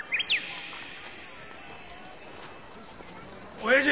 おやじ！